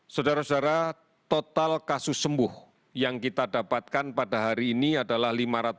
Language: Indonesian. saudara saudara total kasus sembuh yang kita dapatkan pada hari ini adalah lima ratus enam puluh